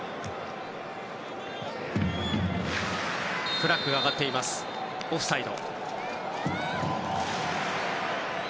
フラッグが上がってオフサイド。